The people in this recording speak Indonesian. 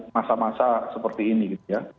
masa masa seperti ini gitu ya